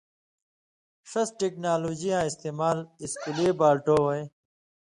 ݜس ٹیکنالوجی یاں استعمال اِسکُلی بالٹو وَیں